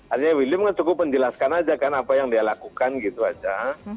artinya william kan cukup menjelaskan aja kan apa yang dia lakukan gitu aja